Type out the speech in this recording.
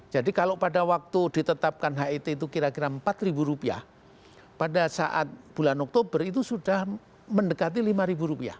jadi kalau pada waktu ditetapkan hit itu kira kira empat rupiah pada saat bulan oktober itu sudah mendekati lima rupiah